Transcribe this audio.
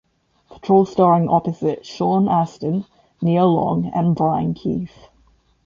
Patrol starring opposite Sean Astin, Nia Long and Brian Keith.